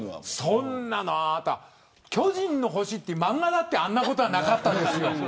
そんなの巨人の星っていう漫画だってあんなことなかったです。